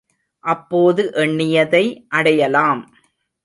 அப்போது எண்ணியதை அடையலாம்.